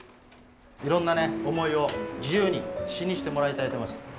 いろんなね思いを自由に詩にしてもらいたいと思います。